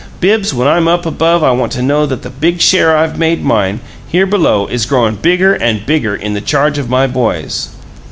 Bibbs, when I'm up above I want to know that the big share I've made mine, here below, is growin' bigger and bigger in the charge of my boys."